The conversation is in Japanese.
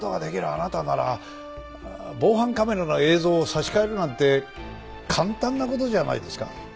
あなたなら防犯カメラの映像を差し替えるなんて簡単な事じゃないですか？